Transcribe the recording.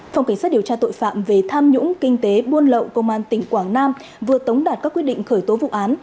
phòng cảnh sát điều tra tội phạm về tham nhũng kinh tế buôn lậu công an tỉnh quảng nam vừa tống đạt các quyết định khởi tố vụ án